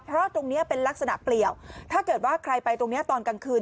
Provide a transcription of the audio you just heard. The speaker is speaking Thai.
เพราะตรงนี้เป็นลักษณะเปลี่ยวถ้าเกิดว่าใครไปตรงเนี้ยตอนกลางคืน